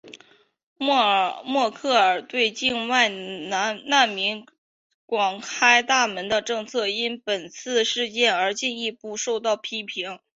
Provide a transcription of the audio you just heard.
默克尔对境外难民广开大门的政策因本次事件而进一步受到批评。